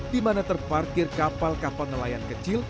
dimana terparkir kapal kapal nelayan kecil